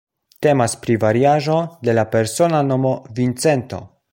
Temas pri variaĵo de la persona nomo "Vincento".